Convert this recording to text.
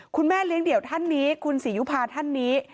คุณแม่เลี้ยงเดี่ยวท่านนี้คุณศรียุภาท่านนี้